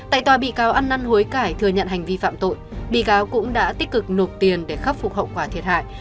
tại tòa bị cáo ăn năn hối cải thừa nhận hành vi phạm tội bị cáo cũng đã tích cực nộp tiền để khắc phục hậu quả thiệt hại